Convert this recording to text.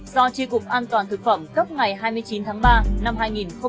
do tri cục an toàn thực phẩm cấp ngày hai mươi chín tháng ba năm hai nghìn hai mươi